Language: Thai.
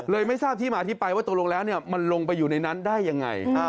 เลยไม่ทราบที่มาอธิบายว่าตกลงแล้วมันลงไปอยู่ในนั้นได้อย่างไร